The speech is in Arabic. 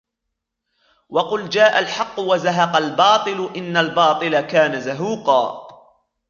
وَقُلْ جَاءَ الْحَقُّ وَزَهَقَ الْبَاطِلُ إِنَّ الْبَاطِلَ كَانَ زَهُوقًا